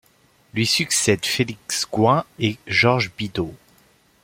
Lui succèdent Félix Gouin et Georges Bidault.